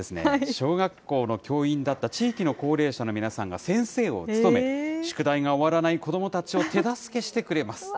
小学校の教員だった地域の高齢者の皆さんが先生を務め、宿題が終わらない子どもたちを手助けしてくれます。